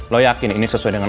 lo yakin ini sesuai dengan